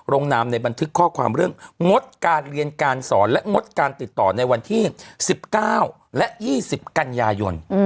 นามในบันทึกข้อความเรื่องงดการเรียนการสอนและงดการติดต่อในวันที่๑๙และ๒๐กันยายน